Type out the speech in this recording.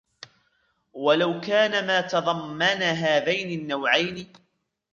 وَلَوْ كَانَ مَا تَضَمَّنَ هَذَيْنِ النَّوْعَيْنِ